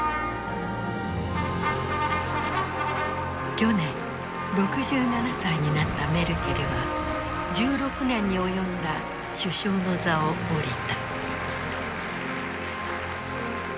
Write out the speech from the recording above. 去年６７歳になったメルケルは１６年に及んだ首相の座を降りた。